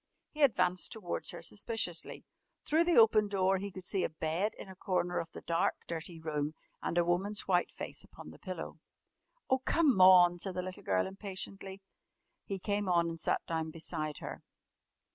He advanced towards her suspiciously. Through the open door he could see a bed in a corner of the dark, dirty room and a woman's white face upon the pillow. "Oh, come on!" said the little girl impatiently. He came on and sat down beside her.